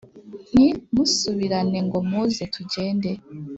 ntimusibirane ngo muze. tugende